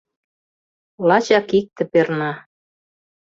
Лачак икте перна: